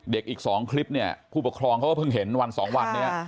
เด็กอีก๒คลิปผู้ปกครองเขาก็เพิ่งเห็นวัน๒วัน